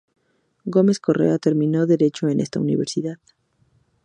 Gómez Correa terminó derecho en esa universidad.